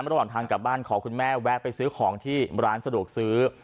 ระหว่างทางกลับบ้านขอคุณแม่แวะไปซื้อของที่ร้านสะดวกซื้อ